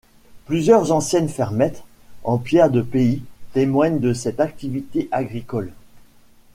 Plusieurs anciennes fermettes en pierre du pays témoignent de cette activité agricole.